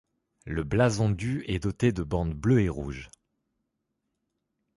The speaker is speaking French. Le blason du est doté de bandes bleues et rouges.